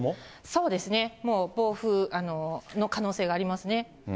そうですね、暴風の可能性がありますね。